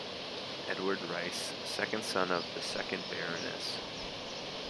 Edward Rice, second son of the second Baroness.